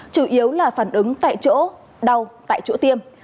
chủ yếu là phản ứng tại chỗ đau tại chỗ tiêm